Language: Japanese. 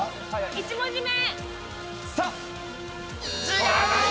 １文字目。